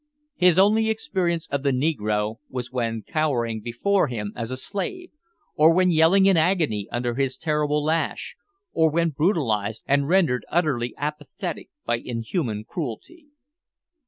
His only experience of the negro was when cowering before him as a slave, or when yelling in agony under his terrible lash, or when brutalised and rendered utterly apathetic by inhuman cruelty.